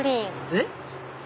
えっ？